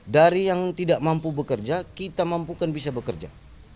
dari yang tidak mampu bekerja kita mampukan bisa bekerja